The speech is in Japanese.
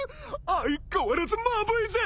相変わらずまぶいぜ。